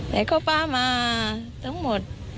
แต่ก็ป้ามาทั้งหมด